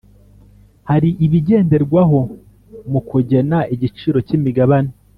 Hari ibigenderwaho mu kugena igiciro cy ‘imigabane.